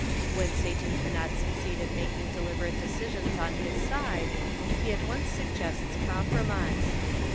When Satan cannot succeed in making delib erate decisions on his side, he at once suggests compromise.